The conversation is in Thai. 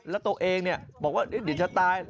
แล้วตัวเองบอกว่าเดี๋ยวจะตาย